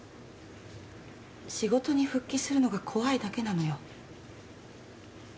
仕事に復帰するのが怖いだけなのよ。